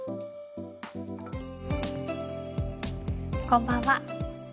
こんばんは。